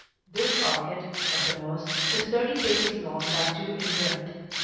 This arcade, at the most, is thirty paces long by two in breadth.